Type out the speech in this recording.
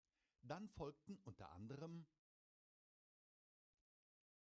Dann folgten unter anderem